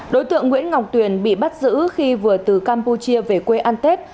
đối tượng nguyễn ngọc tuyển bị bắt giữ khi vừa từ campuchia về quê an tết